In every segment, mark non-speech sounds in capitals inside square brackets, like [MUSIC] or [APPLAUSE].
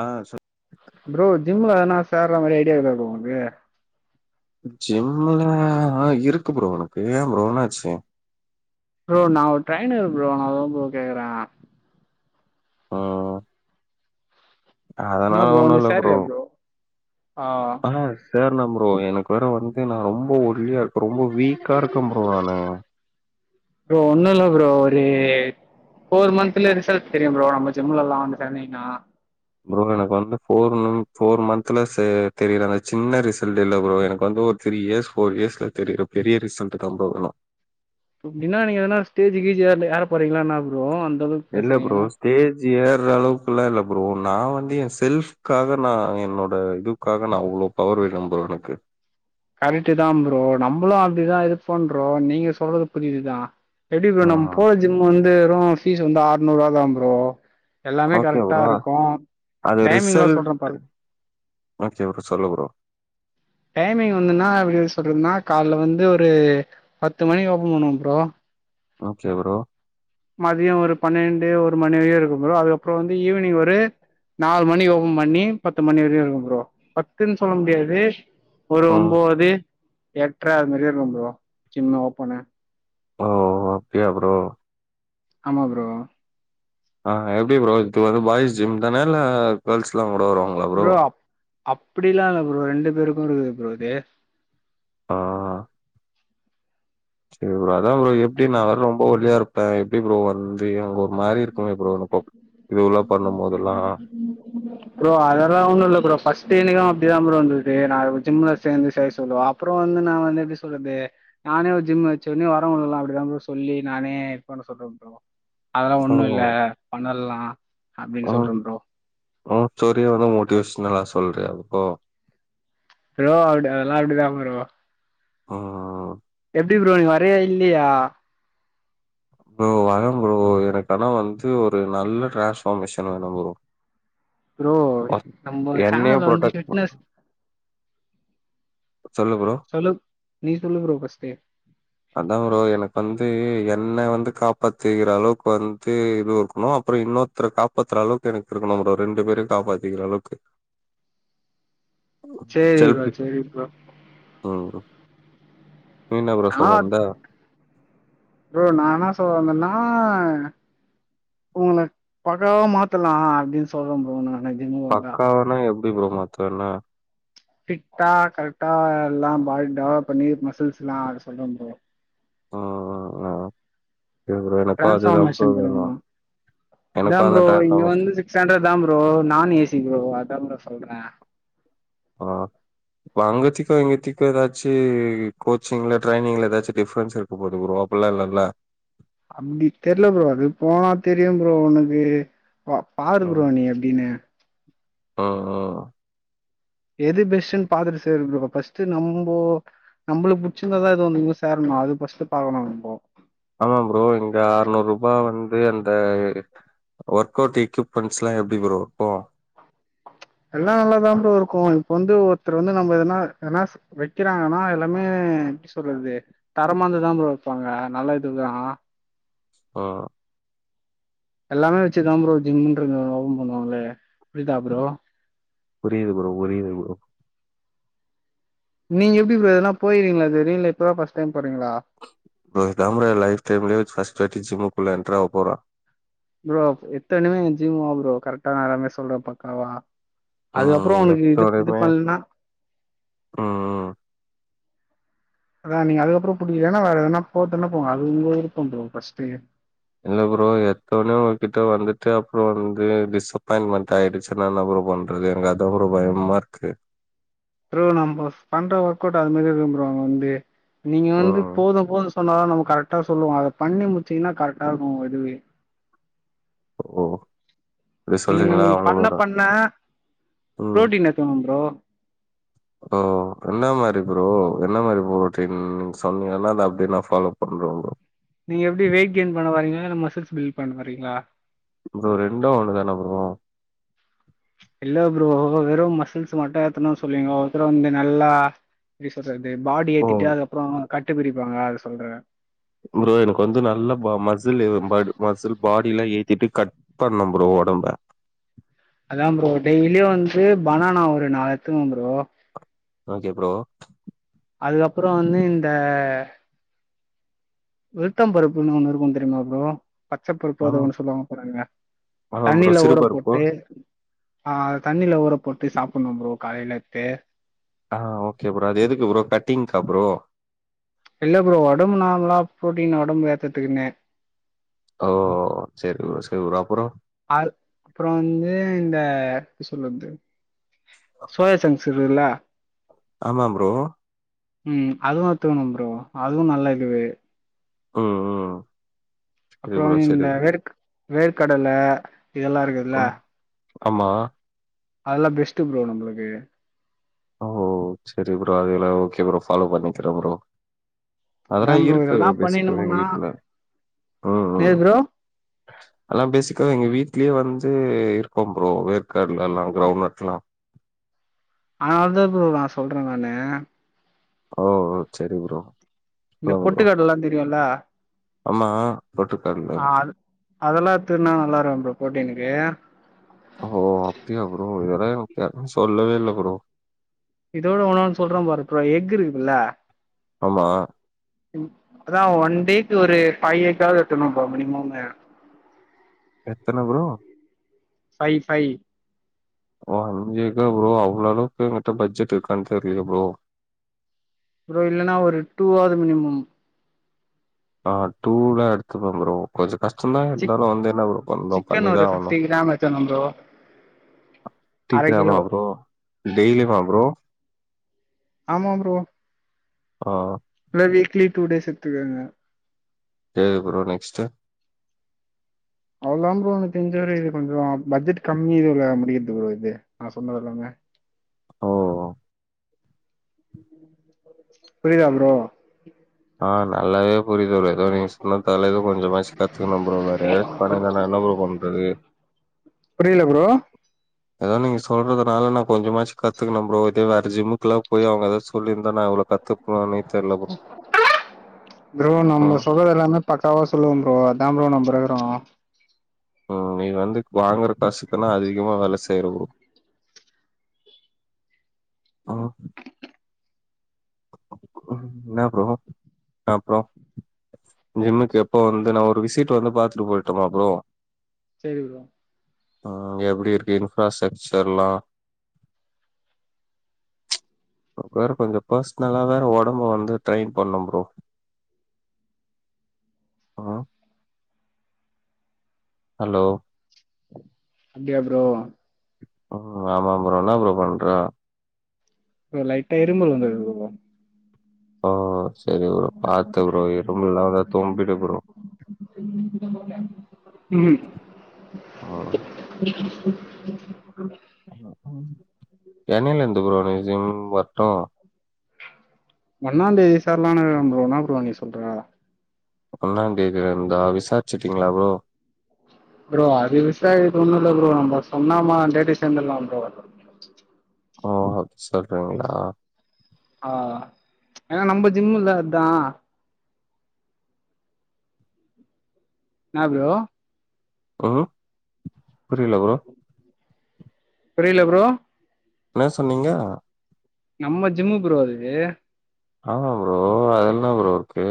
ஆ சொல் ப்ரோ ஜிம்ல எதனா சேர்ற மாரி ஐடியா இருக்கா உங்கள்க்கு ஜிம்ல ஆ இருக்கு ப்ரோ எனக்கு ஏ ப்ரோ என்னாச்சு ப்ரோ நா ஓரு ட்ரைனர் ப்ரோ அதா ப்ரோ கேக்குறே ஓ என்ன ப்ரோ ஒண்ணு வந்து இல்ல சேர்றயா ப்ரோ ஆ ஆ சேரலா ப்ரோ எனக்கு வேற வந்து நா ரொம்ப ஒல்லியா இருக்கே ரொம்ப வீக்கா இருக்கே ப்ரோ நானு ப்ரோ ஒன்னு ல்ல ப்ரோ ஒரு ஃபோர் மன்த்துலே ரிசல்ட் தெரியும் ப்ரோ நம்ம ஜிம்லலா வந்து சேந்தீங்னா ப்ரோ எனக் வந்து ஃபோர் மந்த் ஃபோர் மந்த்துல செ தெரியல அந்த சின்ன ரிசல்ட் இல்ல ப்ரோ எனக்கு வந்து ஒரு திரீ யேர்ஸ் ஃபோர் யேர்ஸ்ல தெரிற பெரிய ரீசன்ட தாம் ப்ரோ னு அப்டினா நீங்க எதனா ஸ்டேஜ் கிஜ் எற்ல எற போறீங்ளா என்னா ப்ரோ அந்தளவுக் இல்ல ப்ரோஸ் ஸ்டேஜ் ஏற்ற அளவுக்குலா இல்ல ப்ரோ நா வந்து என் செல்ஃப்க்காக நா என்னோட இது காக நா அவ்ளோ பவர் வேணும் ப்ரோ எனக்கு கரெக்ட் தா ப்ரோ நம்மளும் அப்டிதா இது பண்றோ நீங்க சொல்றது புரிதுதா எப்டி ப்ரோ ஆ நம் போற ஜிம் வந்து வெறு ஃபீஸ் வந்து ஆற்நூறு ரூவா தா ப்ரோ எல்லாமே ஓகே கரெக்டா ப்ரோ இருக்கு டைமிங்லா சொல்ற பாரு ஓக்கே ப்ரோ சொல்லு ப்ரோ டைமிங் வந்துன்னா எப்டி சொல்றதுன்னா கால்ல வந்து ஒரு பத்து மணிக்கு ஓப்பன் பண்ணுவ ப்ரோ ஓக்கே ப்ரோ மதிய ஒரு பன்னெண்டு ஒரு மணி வரியு இருக்கு ப்ரோ அதுக்கப்ற வந்து ஈவினிங் ஒரு நாலு மணி ஓபம் பண்ணி பத்து மணி வரியு இருக்கும் ப்ரோ பத்துன் சொல்ல முடியாது ஒரு ம். ஒம்போது எட்ற அது மாரி இருக்கும் ப்ரோ ஜிம் ஓப்பன்னு ஓ அப்டியா ப்ரோ ஆமா ப்ரோ ஆ எப்டி ப்ரோ இது வந்து பாய்ஸ் ஜிம் தான இல்ல கேள்ஸ்லா கூட வருவாங்க ப்ரோ அப்டிலா இல்ல ப்ரோ ரெண்டு பேருக்கு இருக்குது ப்ரோ இது அ சரி ப்ரோ அதா ப்ரோ எப்டி நா வேற ரொம்ப ஓல்லியா இருப்ப எப்டி ப்ரோ வந்து அங்க ஓ மாரி இருக்குமே ப்ரோ னுக்கோ இதுவுளா பண்ணும் போதெலா ப்ரோ அதெல்லா ஒன்னுல்ல ப்ரோ பர்ஸ்ட் எனக்கு அப்டிதா ப்ரோ இந்துது நா ஜிம்ல சேந்து செய்ய சொல்லவ அப்ற வந்து நா வந்து எப்டி சொல்றது நானே ஒரு ஜிம் வச்சு ஒன்னே வரவங்களுக்குள்ள அப்டிதான் ப்ரோ சொல்லி நானே இது பண்ண சொல்ற ப்ரோ அத ப்ரோ ஒண்ணு இல்ல பண்ணலா அப்டின் சொல்றம் ப்ரோ ஒ ஸ்டோரிய வந்து மோட்டிவேஷ்னலா சொல்றியா ப்ரோ ப்ரோ அப்டி அதலா அப்டி தா ப்ரோ ஆ எப்டி ப்ரோ நீ வரைய இல்லையா ப்ரோ வரம் ப்ரோ எனக்கனா வந்து ஒரு நல்ல டிரான்ஸ்பார்மேஷன் வேணும் ப்ரோ ப்ரோ‌ நம்ப என்னையே சேனல்ல வந்து புரொடெக்ட் ப ஃபிட்னஸ் சொல்லு ப்ரோ சொலுப் நீ சொல்லு ப்ரோ ஃபர்ஸ்ட் அதான் ப்ரோ எனக் வந்து என்ன வந்து காப்பாத்திகிற அளவுக்கு வந்து இது இருக்குணு அப்பற இன்னொ த்ற காப்பாத்ற அளவுக்கு எனக்கு இருக்கு ப்ரோ ரெண்டு பேரும் காப்பாத்திக்கறளவுக்கு சரி ப்ரோ செல்பி சரி ப்ரோ ம் நீஎன்னா ஆக் ப்ரோ நா என்னா சொல்ல வந்தனா உங்கள பக்காவ மாத்தலா அப்டின் சொல்ற ப்ரோ நானு பக்காவனா எப்டி ப்ரோ மத்துவ என்ன ஃபிட்டா கரெக்டா எல்லாம் பாடி டெவலப் பண்ணி மசில்ஸ்லா அதசொல்ற ப்ரோ ஒ ஒ ஒ இல ப்ரோ எனக் பாத்துதா ப்ரோ டிரான்ஸ்ஃபார்மேஷன் வேணு கொடுங்க என்னக் பாக்க ட்ரான்ஃபார்மேஷ்ட் சாண்ட்ரட் தா ப்ரோ நான் ஏசி ப்ரோ அதா ப்ரோ சொல்ற ஆ வா அங்கத்திக்கு இங்கத்திக்கு ஏதாச்சி கோச்சிங்ல ட்ரைனிங்ல ஏதாச்சு டிஃப்ரன்ஸ் இருக் உப்பு போட்டுக்றோ அப்பல்லா இல்லல்ல அம்டிக் தெர்ல ப்ரோ அது போனா தெரியும் ப்ரோ உனக்கு வா பாரு ப்ரோ நீ எப்டின்ணு அ ஆ எது பெஷ்ஷுன் பாத்துட்டு சேர் ப்ரோ பஷ்ட்டு நம்போ நம்ப்லுக் புடிச்சந்ததா எது நீங்க சேர்னுமா அது பஷ்ட்டு பாக்கணும் ம்போ ஆனா ப்ரோ இங்க ஆற்நூருபா வந்து அந்த எ வர்க் அவட் இக்யூப்பண்ஸ்லா எப்டி ‌ ப்ரோ க்கு எல்லா நல்லாாதா ப்ரோ இருக்கு இப் வந்து ஒருத்தர் வந்து நம்ப என்னா என்னாஸ் வெக்கறாங்கன்னா எல்லாமே ப்டி சொல்லற்தே தரமாந்துதா ப்ரோ வெப்பாங்க நல்ல இதுதா ஆ எல்லாமே வச்சுதா ப்ரோ ஜிம்ன்ற ஓபன் பண்ணுவாங்ளே புரிதா ப்ரோ புரியுது ப்ரோ உரியது ப்ரோ நீங்க எப்டி ப்ரோ எதுனா போய்றீங்ளா இதுவரையு இல்ல இப்பதா பஸ் டைம் பொறீங்களா ப்ரோ இதா ப்ரோ ய லைஃப் டைம்லு ஃபஸ்ட் வாட்டி ஜிம்முக்குள்ள என்ட்றாவ் போறோ ப்ரோ ஆஃப் எத்தனமே எ ஜிம் வா ப்ரோ கரக்டா நாலாமே சொல்ற பக்காவா அது ம் அப்றோ நீங்க உனக்கு இதுப் இது எடுத்தோடையுமே பண்ல்ன்னா ம் ம் வேன் நீ அதுக்கப்றோ புடிக்கிலன்னா வேற் என்னன்னா போர்துன்னா போங்க அது உங்க விருப்பம் ப்ரோ ஃபஸ்ட்டே இல்ல ப்ரோ எத்தவுனே உன்கிட்ட வந்துட்டு அப்றோ வந்து டிஸ் அப்பாய்ண்மெண் தாய்ரி ச்சுல்லாலா ப்ரோ பண்றது எங்கு அதா ப்ரோ பயமா இருக்கு ட்ரோ நம்பஃப் பண்ற ஒர்க் அவுட் அது மாதிரி விரும்ப்றோ அங்க வந்து நீங்க வந்து ம் போது போது பண்ணா நம்ம கரக்டா சொல்லுவோ அத பண்ணி முச்சிங்னா கரக்டா இர்க்கு எதுவே ஓ இப்டி நீ சொல்றீங்களா நாங்கு பண்ண அவங்களோட பண்ண ம் ப்ரோட்டீனர் கெம் ப்ரோ ஓ என்னா மாரி ப்ரோ என்னா மாரி போட்டின் சொன்னீயலா அத அப்டே நா ஃபாலோ பண்றோ ப்ரோ நீ எப்டி வெயிட் கெயின் பண்ண வரீங்களா இல்ல நம்ம சிக்ஸ் பில் பண்ண வரீங்ளா ப்ரோ ரெண்டு ஒண்ணு தான அப்றோ இல்ல ப்ரோ வெறு மசில்ஸ் மட்டு ஏத்துனு சொல்வீங்கோ ஒத்தர வுன்டு நல்லா பி சொல்றது பாடி ஓ ஏத்திட்டு அதுக்கப்பறோ கட்டு பிரிப்பாங்க அது சொல்ற ப்ரோ எனக்கு வந்து நல்ல ப மஜுல்லு பட் மசுல் பாடிலா ஏத்திட்டு கட் பன்னும்ப்ரோ ஒடம்ப அதா ப்ரோ டெய்லியு வந்து பனானா ஒரு நாளத்துக்கனு ப்ரோ ஆகே ப்ரோ அது அப்றோ வந்து இந்த வெழீத்தம் பருப்புன்னு ஒன்னு இருக்கு தெரியுமா ப்ரோ பச்சப்பருப்பு அத ஆமா ஒன்னு சொல்லுவாங்க பாறுங்க ஆமா ப்ரோ தண்ணில ஊற சிறுபருப்பு போட்டு ஆ அத தண்ணில ஊற போட்டு சாப்புண்ணு ப்ரோ காய்லெத்து ஹா ஓகே ப்ரோ அது எதுக்கு ப்ரோ கட்டிங்க்கா ப்ரோ இல்ல ப்ரோ ஒடம்பு நார்மலா ப்ரோட்டீன் ஒடம்பு ஏத்துதுக்குன்னே ஓ செர் ரோ செவ் ப்ரோ அப்புறோ ஆர் அப்புறோ வந்து இந்த எப்டி சொல்றது சோயா சங்க்ஸ் இருகுதுல ஆமா ப்ரோ ம் அதுவு எத்துக்குனு ப்ரோ அதுவு நல்லது ம் ம் சரி அப்புறோ ப்ரோ சரி இந்த ப்ரோ வேர்க் வேர்க்கடல இதெல்லா இருக்குதுல்ல ம் ஆமா அதெல்லா பெஸ்ட்டு ப்ரோ நம்மளுக்கு ஓ சரி ப்ரோ அதுல்லா ஓகே ப்ரோ ஃபாலோ பண்ணிக்கிறே ப்ரோ அதெல்லா அதா ப்ரோ இருக்கு இதெல்லா பேசிக்கலி எங்க பண்ணினமுன்னா வீட்டுல ம் ஏ ம் [INAUDIBLE] அதுலா பேசிக்கா எங்க வீட்லேயே வந்து இருக்கோ ப்ரோ வேர்கற்கடல எல்லா கிரவுண்ட் நட்ல்லா அதனால தா ப்ரோ நா சொல்றே நானு ஓ சரி ப்ரோ இந்த சொல்லுங்க ப்ரோ பொட்டுக்கடலல்லா தெரியுல்ல ஆமா போட்ருக்காருல்ல. ஆ அது அதெல்லா திருன்னா நல்லா இருக்கு ப்ரோ ப்ரோட்டீனுக்கு ஓ அப்டியா ப்ரோ வேற எனக்கு [UNINTELLIGIBLE] சொல்லவே இல்ல ப்ரோ இதோட ஒன்னே ஒன்னு சொல்றே பார் இப்ப எக் இருக்குதுல்ல ஆமா ம் அதா ஒன் டேக்கு ஒரு ஃபைவ் ஏக்காது எத்துணு ப்ரோ மினிமம்மு எத்தன ப்ரோ ஃபை ஃபை ஆ அஞ்சு ஏக்கா ப்ரோ அவ்ளோ அளவுக்கு எங்கிட்ட பட்ஜெட் இருக்கான்னு தெரிலையே ப்ரோ ப்ரோ இல்லன்னா ஒரு டூ ஆது மினிமம் ஆ டூதா எடுத்துப்பே ப்ரோ கொஞ்ச கஷ்டதா சிக் இருந்தாலு வந்து என்ன பண்ணு சிக்கன் பண்ணிதா ஒரு ஆகணு ஃபிப்டி கிராம் எத்துக்கணு ப்ரோ அர அப்டிங்கிறமா கிலோ ப்ரோ டெய்லியுமா ப்ரோ ஆமா ப்ரோ ஆ இல்ல வீக்லி டூ டேஸ் எடுத்துக்குங்க சேரி ப்ரோ நெக்ஸ்டு அவ்ளதா ப்ரோ எனக்கு தெரிஞ்ச வர இது கொஞ்சோ பட்ஜெட் கம்மி இதுல முடியுது ப்ரோ இது நா சொன்னதெல்லாமே ஓ புரிதா ப்ரோ ஆ நல்லாவே புரியுது ப்ரோ ஏதோ நீங்க எல்லா தாலது கொஞ்சமாச்சு கத்துக்குண ப்ரோ வேற யாராச்சு பண்ணிதானா என்ன ப்ரோ பண்றது புரியில ப்ரோ ஏதோ நீங்க சொல்றதுனால நா கொஞ்சமாச்சு கத்துக்குணே ப்ரோ இதே வேற ஜிம்முக்கு எல்லா போய் அவங்க ஏதா சொல்லிருந்தா நா இவ்ள கத்து பேனானே தெரில ப்ரோ நம்ம ம் சொல்றது எல்லாமே பக்காவா சொல்லுவே ப்ரோ அதா ப்ரோ நம்ப இருக்குறோ ம் நீ வந்து வாங்குற காசுக்குன்னா அதிகமா வேல செய்யுற ப்ரோ ஆ ம் என்ன ப்ரோ அப்புறோ ஜிம்முக்கு எப்போ வந்து நா ஒரு விசிட் வந்து பாத்துட்டு போய்ட்டுமா ப்ரோ செரி ப்ரோ ஆ எப்டி இருக்கு இன்ஃப்ராஸ்ட்ரக்சர் எல்லா நமக்கு ஹவேற கொஞ்சம் பர்சனலா வேற உடம்பு வந்து ட்ரெயின் பண்ணும் ப்ரோ ஆ ஹலோ அப்படியா ப்ரோ ஆ ஆமா ப்ரோ என்ன ப்ரோ பண்ற ப்ரோ லைட்டா இருமல் வந்துருது ப்ரோ ஓ சரி ப்ரோ பாத்து ப்ரோ இரும்மல்லா வந்தா தும்பிடு ப்ரோ உம் என்னைல இருந்து ப்ரோ ரேசிங் வர்ட்டும் ஒன்னாம் தேதி சர்லாம்னு இருக்கே என்னா ப்ரோ நீ சொல்ற ஒன்னாந் தேதியில இருந்தா விசாரிச்சுட்டீங்களா ப்ரோ ப்ரோ அது விசாரிகது இது ஒன்னும் இல்ல ப்ரோ நம்ம சொன்ன ஒன்னாந் தேதி சேந்துர்லாம் ப்ரோ ஓ அப் சொல்றீங்களா ஆ ஏன்னா நம்ம ஜிம்ல அதான் என்னா ப்ரோ ம் புரியல ப்ரோ புரியல ப்ரோ என்ன சொன்னீங்க நம்ம ஜிம்மு ப்ரோ அது ஆமா ப்ரோ அதுல என்ன ப்ரோ இருக்கு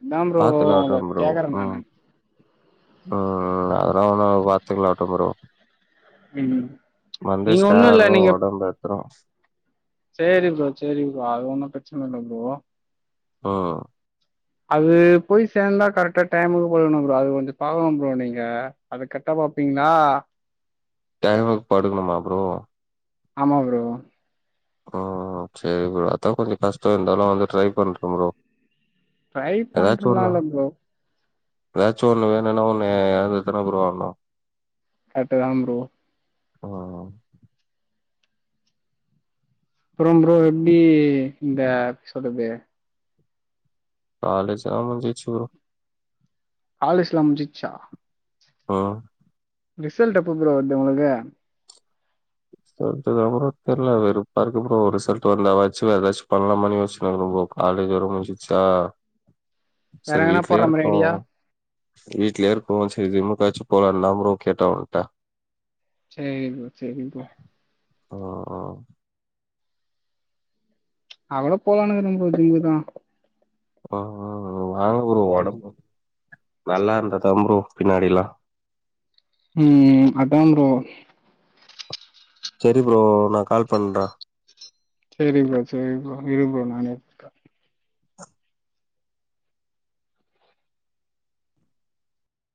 அதா ப்ரோ பாக்கலாம் உங்கள ஆவட்டம் ப்ரோ கேக்குறே ம் நானு ம் அதெல்லாம் ஒன்னும் இல்ல பாத்துக்கலாம் ஆவட்டோ ப்ரோ ம் வந்து நீங்க ஒண்ணு இல்ல சேர்றோ நீங்க ஒடம்ப ஏத்துறோ சேரி ப்ரோ சேரி ப்ரோ அது ஒன்னும் பிரச்சன இல்லை பரோ ம் அது போய் சேர்ந்தா கரெக்டாக டைமுக்கு போணும் ப்ரோ அது கொஞ்ச பாக்கணும் ப்ரோ நீங்க அது கெட்டா பாப்பீங்களா டைமுக்கு பாத்துக்கணுமா ப்ரோ ஆமா ப்ரோ அ செரி ப்ரோ அதான் கொஞ்சம் கஷ்டம் இருந்தாலும் வந்து ட்ரை பண்றம் பரோ ட்ரை பண்றலால்ல ப்ரோ எதாச்சும் ஒண்ணு வேணும்னா ஒண்ணு இழந்து தா ப்ரோ ஆவனும் கரெக்ட் தான் ப்ரோ ஆ அப்புறம் ப்ரோ எப்டி இந்த சொல்றது காலேஜ் எல்லாம் முஞ்ச்சு ப்ரோ காலேஜ் எல்லாம் முஞ்ச்சா ஆ ரிசல்ட் எப்போ ப்ரோ வருது உங்களுக்கு டுவெல்த்க்கு அப்புறம் தெரில வெறுப்பாருக்கு ப்ரோ ரிசல்ட வந்த ஆச்சு வேற ஏதாச்சு பண்ணலாமான்னு யோச்சு இருக்க ப்ரோ காலேஜ் வேற முச்சிச்சா வேற செரி எங்கனா போற வீட்லயே மாரி இருக்கோ ஐடியா வீடலே இருக்குறோ செரி ஜிம்முக்காச்சு போலாம்னு தா ப்ரோ கேட்டே உன்ட்ட சேரி ப்ரோ செரி ப்ரோ ஆ ஆ அதோட போகலானுக்குறே ப்ரோ ஜிம்முக்கு தா அ அ வேணா ப்ரோ உடம்பு நல்லா இருந்ததா ப்ரோ பின்னாடில்லா ம் அதான் ப்ரோ செரி ப்ரோ நான் கால் பண்றே செரி ப்ரோ செரி ப்ரோ இரு ப்ரோ நானே